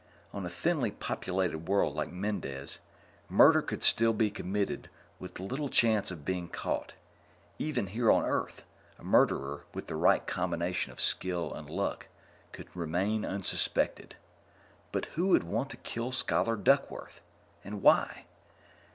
On a thinly populated world like Mendez, murder could still be committed with little chance of being caught. Even here on Earth, a murderer with the right combination of skill and luck could remain unsuspected. But who would want to kill Scholar Duckworth? And why?